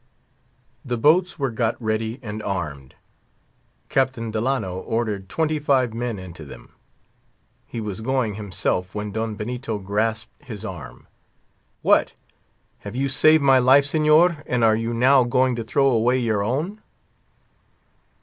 The boats were got ready and armed. Captain Delano ordered his men into them. He was going himself when Don Benito grasped his arm. "What! have you saved my life, Señor, and are you now going to throw away your own?"